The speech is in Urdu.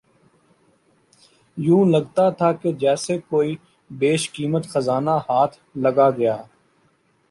یوں لگتا تھا کہ جیسے کوئی بیش قیمت خزانہ ہاتھ لگا گیا